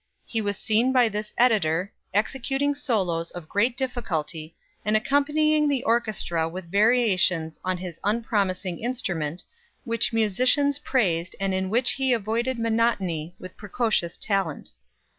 He was seen by this editor, executing solos of great difficulty, and accompanying the orchestra with variations on his unpromising instrument, which musicians praised and in which he avoided monotony with precocious talent.